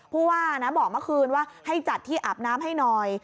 ผู้ว่านะบอกเมื่อคืนว่าให้จัดที่อาบน้ำให้หน่อย